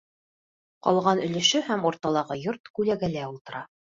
Ҡалған өлөшө һәм урталағы йорт күләгәлә ултыра.